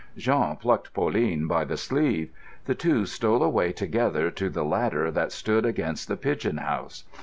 Jean plucked Pauline by the sleeve. The two stole away together to the ladder that stood against the pigeon house.